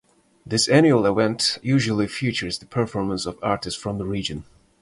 This annual event usually features the performance of artists from the region.